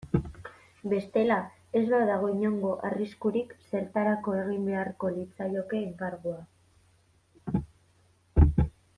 Bestela, ez badago inongo arriskurik zertarako egin beharko litzaioke enkargua.